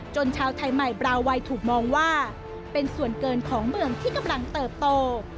ชาวไทยใหม่บราวัยถูกมองว่าเป็นส่วนเกินของเมืองที่กำลังเติบโต